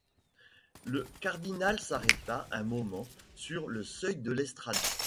Le cardinal s’arrêta un moment sur le seuil de l’estrade.